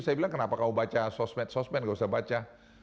saya bilang kenapa kamu baca sosmed sosmed nggak usah baca